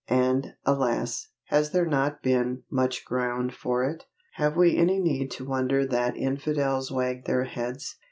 and, alas! has there not been much ground for it? Have we any need to wonder that infidels wag their heads?